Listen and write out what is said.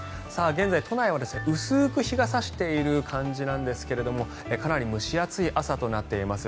現在、都内は薄く日が差している感じなんですがかなり蒸し暑い朝となっています。